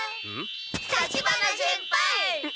立花先輩